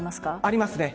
ありますね。